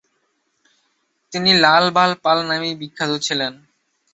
তিনি লাল-বাল-পাল নামেই বিখ্যাত ছিলেন।